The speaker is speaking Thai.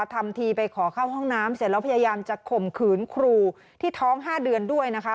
ทำทีไปขอเข้าห้องน้ำเสร็จแล้วพยายามจะข่มขืนครูที่ท้อง๕เดือนด้วยนะคะ